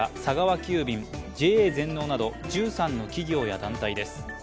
急便、ＪＡ全農など１３の企業や団体です。